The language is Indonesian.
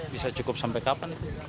bisa cukup sampai kapan